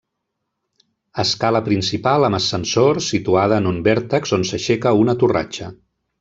Escala principal amb ascensor situada en un vèrtex on s'aixeca una torratxa.